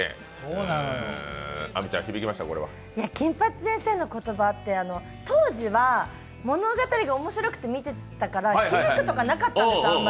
金八先生の言葉って、当時は物語が面白くて見てたから、響くとかなかったんです。